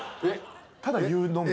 ただ言うのみ？